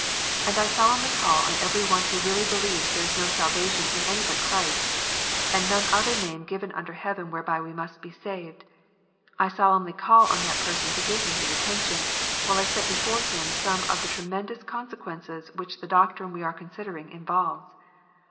And I solemnly call on every one who really believes there is no salvation in any but Christ, and none other name given under heaven whereby we must be saved, I solemnly call on that person to give me his attention, while I set before him some of the tremendous consequences which the doctrine we are considering involves.